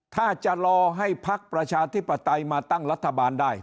ถ้าจะรอให้พักประชาธิปไตยมาตั้งรัฐบาลได้